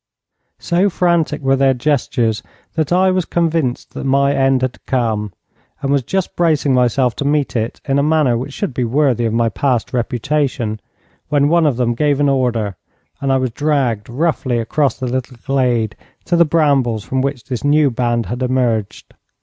So frantic were their gestures that I was convinced that my end had come, and was just bracing myself to meet it in a manner which should be worthy of my past reputation, when one of them gave an order and I was dragged roughly across the little glade to the brambles from which this new band had emerged.